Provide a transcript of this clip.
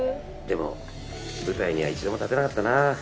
でも舞台には一度も立てなかったな。